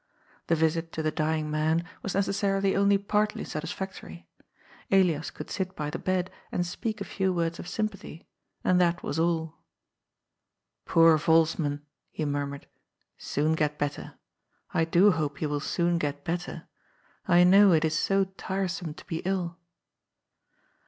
The visit to the dying man was necessarily only partly satisfactory. Elias could sit by the bed and speak a few words of sympathy — and that was all. " Poor Volsman !'* he murmured. " Soon get better. I do hope you will soon get better. "I know it is so tiresome to be ill."